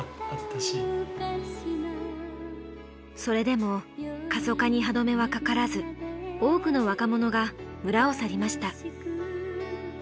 それでも過疎化に歯止めはかからず多くの若者が村を去りました。